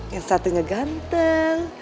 yang satunya ganteng